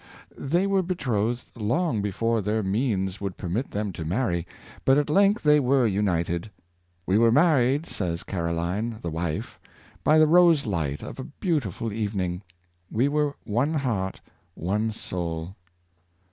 They were betrothed long before their means would permit them to marry, but at length they 582 FiclMs Courtship were united. ^' We were married," says Caroline, the wife, " by the rose Hght of a beautiful evening. We were one heart, one soul."